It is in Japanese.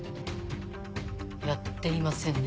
やっていませんね？